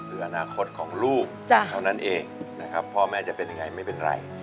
คืออนาคตของลูกเท่านั้นเองนะครับพ่อแม่จะเป็นยังไงไม่เป็นไร